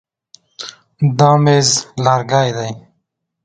دا مېز لرګی دی.